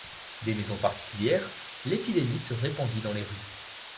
Des maisons particulières l’épidémie se répandit dans les rues.